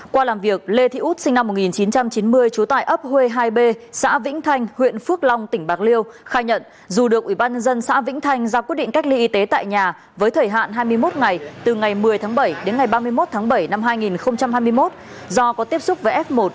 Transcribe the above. qua làm việc lê thị út sinh năm một nghìn chín trăm chín mươi trú tại ấp huê hai b xã vĩnh thanh huyện phước long tỉnh bạc liêu khai nhận dù được ubnd xã vĩnh thanh ra quyết định cách ly y tế tại nhà với thời hạn hai mươi một ngày từ ngày một mươi tháng bảy đến ngày ba mươi một tháng bảy năm hai nghìn hai mươi một do có tiếp xúc với f một